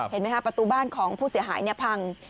เห็นไหมครับประตูบ้านของผู้เสียหายพัง